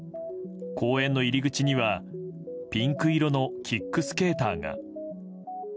公園の入り口にはピンク色のキックスケーターが。